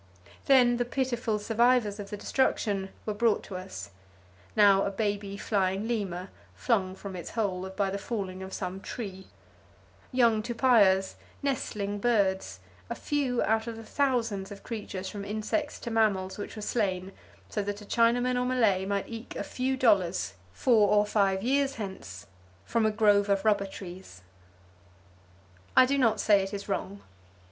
Then the pitiful survivors of the destruction were brought to us; now a baby flying lemur, flung from its hole by the falling of some tree; young tupaias, nestling birds; a few out of the thousands of creatures from insects to mammals which were slain so that a Chinaman or Malay might eke a few dollars, four or five years hence, from a grove of rubber trees. I do not say it is wrong.